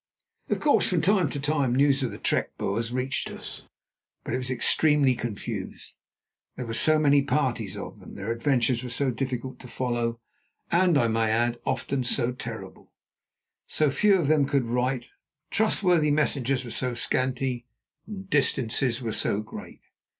Of course, from time to time news of the trek Boers reached us, but it was extremely confused. There were so many parties of them; their adventures were so difficult to follow, and, I may add, often so terrible; so few of them could write; trustworthy messengers were so scanty; distances were so great.